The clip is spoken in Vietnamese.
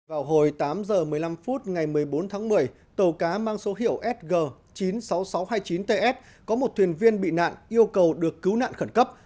vào hồi tám h một mươi năm phút ngày một mươi bốn tháng một mươi tàu cá mang số hiệu sg chín mươi sáu nghìn sáu trăm hai mươi chín ts có một thuyền viên bị nạn yêu cầu được cứu nạn khẩn cấp